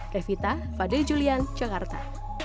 revita fadil julian jakarta